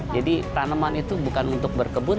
jadi tanaman itu bukan untuk berkebun